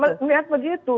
ya saya melihat begitu